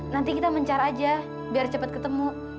nanti kita mencar aja biar cepet ketemu